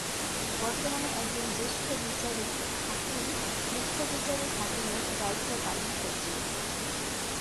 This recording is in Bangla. বর্তমানে একজন জ্যেষ্ঠ বিচারিক হাকিম মুখ্য বিচারিক হাকিমের দায়িত্ব পালন করছেন।